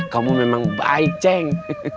kamu memang baik ceng